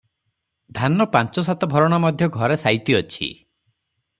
ଧାନ ପାଞ୍ଚ ସାତ ଭରଣ ମଧ୍ୟ ଘରେ ସାଇତି ଅଛି ।